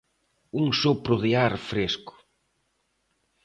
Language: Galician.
Un sopro de ar fresco.